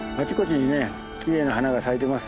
きれいな花が咲いてます。